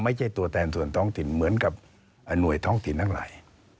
ไม่ใช่ตัวแทนส่วนท้องถิ่นเหมือนกับหน่วยท้องถิ่นทั้งหลาย